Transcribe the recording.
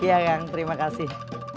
iya kang terima kasih